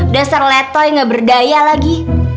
dasar letoy gak berdaya lagi